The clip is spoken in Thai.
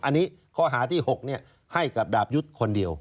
อันนี้ข้อหาที่๖ให้กับดาบยุทธ์คนเดียว